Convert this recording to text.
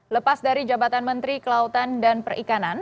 lepas dari jabatan menteri kelautan dan perikanan